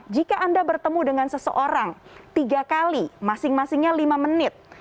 jika anda bertemu dengan seseorang tiga kali masing masingnya lima menit